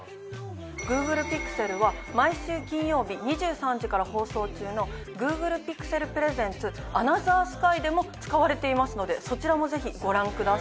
ＧｏｏｇｌｅＰｉｘｅｌは毎週金曜日２３時から放送中の『ＧｏｏｇｌｅＰｉｘｅｌｐｒｅｓｅｎｔｓＡＮＯＴＨＥＲＳＫＹ』でも使われていますのでそちらもぜひご覧ください。